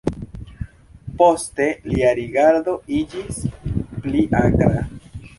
Poste lia rigardo iĝis pli akra.